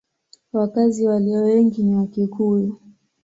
Wakazi walio wengi ni Wakikuyu.